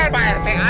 pak rt aja